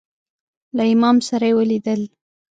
له امام سره یې ولیدل.